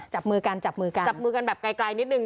จับมือกันแบบไกลนิดนึง